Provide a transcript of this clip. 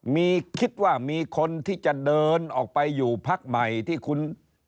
มีคิดว่ามีคนที่จะเดินออกไปอยู่พักใหม่ที่คุณ